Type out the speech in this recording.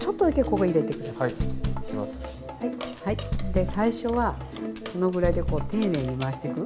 で最初はこのぐらいでこう丁寧に回していく。